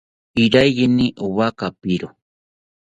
Iraiyini owa kapiro